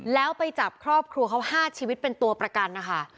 แล้วไปจับครอบครัวเขา๕ชีวิตเป็นตัวประกันนะคะ